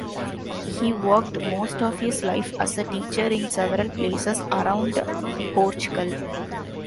He worked most of his life as a teacher in several places around Portugal.